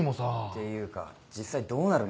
っていうか実際どうなるんですか？